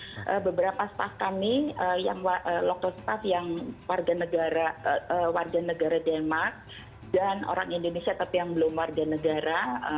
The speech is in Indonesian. jadi setelah pas pas kami yang warga negara warga negara denmark dan orang indonesia tapi yang belum warga negara